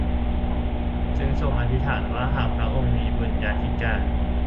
จึงทรงอธิษฐานว่าหากพระองค์มีบุญญาธิการ